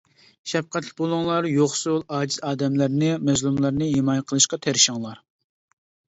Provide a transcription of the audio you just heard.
شەپقەتلىك بولۇڭلار، يوقسۇل، ئاجىز ئادەملەرنى، مەزلۇملارنى ھىمايە قىلىشقا تىرىشىڭلار.